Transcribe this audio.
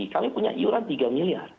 kami punya iur an tiga miliar